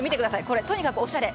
とにかくおしゃれ。